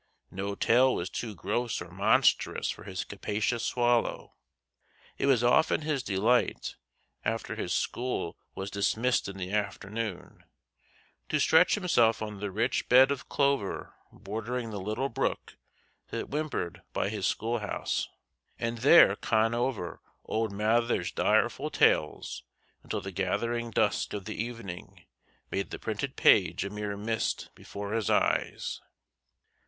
No tale was too gross or monstrous for his capacious swallow. It was often his delight, after his school was dismissed in the afternoon, to stretch himself on the rich bed of clover bordering the little brook that whimpered by his school house, and there con over old Mather's direful tales until the gathering dusk of the evening made the printed page a mere mist before his eyes.